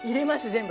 全部。